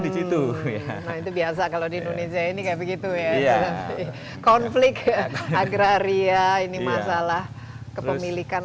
nah itu biasa kalau di indonesia ini kayak begitu ya konflik agraria ini masalah kepemilikan